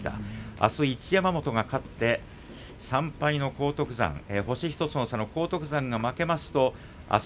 あす一山本が勝って３敗で星１つの差の荒篤山が負けますとあす